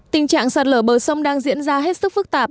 tình trạng sạt lở bờ sông đang diễn ra hết sức phức tạp